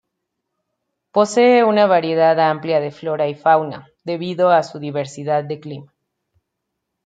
Posee una variedad amplia de flora y fauna, debido a su diversidad de clima.